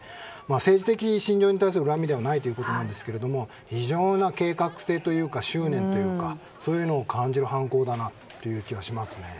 政治的信条に対する恨みではないということですけれども非常な計画性、執念というかそういうのを感じる犯行だなという気はしますね。